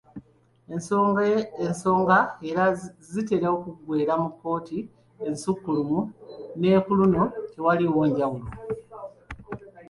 Ensonga era zitera kuggweera mu kkooti Ensukkulumu era ne ku luno tewaliiwo njawulo.